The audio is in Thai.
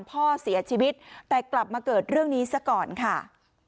พ่อเสียชีวิตแต่กลับมาเกิดเรื่องนี้ซะก่อนค่ะ